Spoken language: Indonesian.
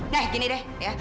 nah gini deh ya